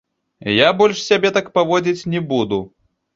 Я больш сябе так паводзіць не буду.